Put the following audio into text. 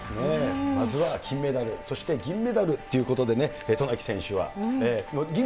初の金メダル、そして銀メダルということでね、渡名喜選手は。